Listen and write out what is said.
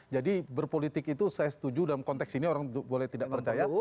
jadi berpolitik itu saya setuju dalam konteks ini orang boleh tidak percaya